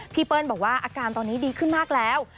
เปิ้ลบอกว่าอาการตอนนี้ดีขึ้นมากแล้ว